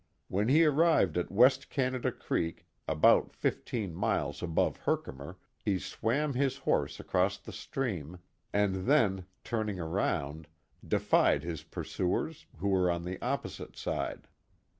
When he arrived at West Canada Creek, about fifteen miles above Herkimer, he swam his horse across the stream, and then, turning around, defied his pursuers, who were on the opposite side.